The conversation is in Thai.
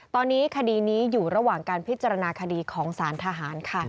ตอนนี้คดีนี้อยู่ระหว่างการพิจารณาคดีของสารทหารค่ะ